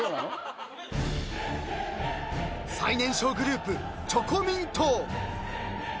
［最年少グループチョコミン党］